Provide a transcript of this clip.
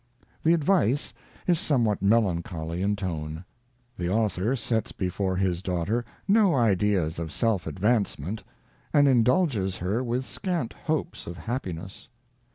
The Advice is somewhat melancholy in tone. The author sets before his daughter no ideas of self advancement, and indulges her with scant hopes of happi ness.